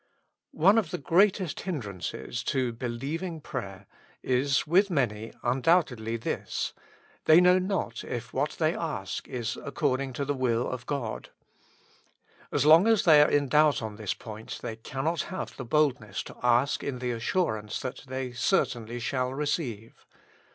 ONE of the greatest hindrances to believing prayer is with many undoubtedly this : they know not if what they ask is according to the will of God. As long as they are in doubt on this point, they cannot have the boldness to ask in the assurance that they certainly shall receive.